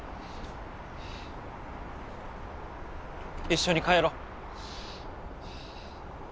一緒に帰ろう。